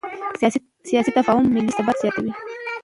سیاسي تفاهم ملي ثبات زیاتوي